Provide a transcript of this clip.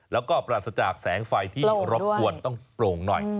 แล้วก็ปราศจากแสงไฟที่รบกวนต้องโปร่งหน่อย